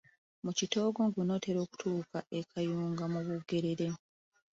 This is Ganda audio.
Mu kitoogo ng’onootera okutuuka e Kayunga mu Bugerere.